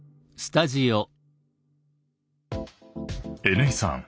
Ｎ井さん